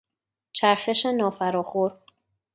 چرخش نافراخور